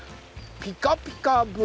「ピカピカブ！